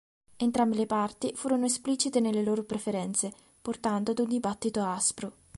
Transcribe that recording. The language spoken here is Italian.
Entrambe le parti furono molto esplicite nelle loro preferenze, portando ad un dibattito aspro.